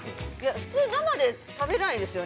◆普通生で食べないですよね